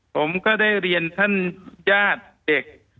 ผมก็ได้เรียนท่านญาติเด็ก